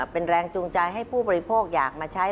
เป็นแรงจูงใจให้ผู้บริโภคอยากมาใช้